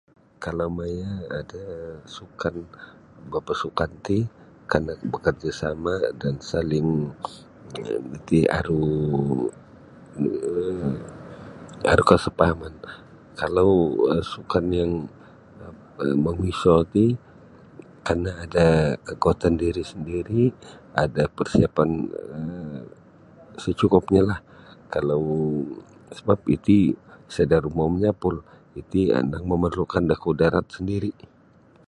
Kalau maya da sukan bapasukan ti kana bakarjasama dan saling um nu ti aru um aru kesefahaman lah kalau sukan yang um mamiso ti kana ada kekuatan diri sendiri ada persiapan um secukupnya lah kalau sabab iti sada rumo manyapul iti andang mamarlukan da kudarat sendiri.